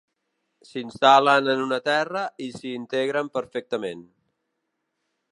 S'instal·len en una terra i s'hi integren perfectament.